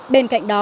bên cạnh đó